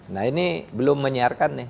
nah ini belum menyiarkan nih